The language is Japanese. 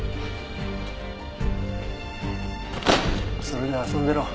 それで遊んでろ。